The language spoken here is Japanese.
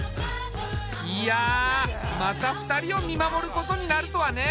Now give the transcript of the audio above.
いやまた２人を見守ることになるとはね。